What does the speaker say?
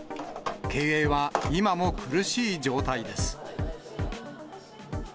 経営は今も苦しい状態です。